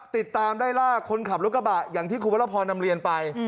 ติดตามไล่ล่าคนขับรถกระบะอย่างที่คุณวรพรนำเรียนไป